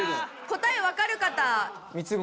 答えわかる方？